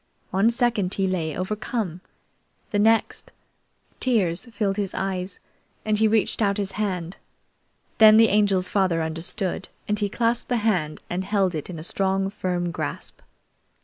One second he lay overcome; the next, tears filled his eyes, and he reached out his hand. Then the Angel's father understood, and he clasped that hand and held it in a strong, firm grasp.